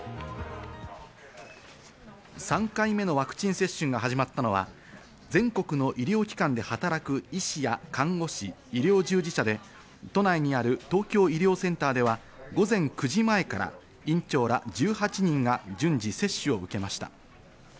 ３回目のワクチン接種が始まったのは、全国の医療機関で働く医師や看護師、医療従事者で都内にある東京医療センターでは午前９時前から院長ら１８人が順次、接種を受けました。